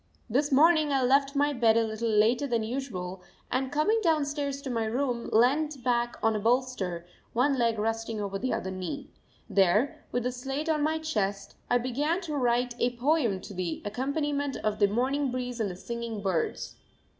This morning I left my bed a little later than usual and, coming downstairs to my room, leant back on a bolster, one leg resting over the other knee. There, with a slate on my chest, I began to write a poem to the accompaniment of the morning breeze and the singing birds.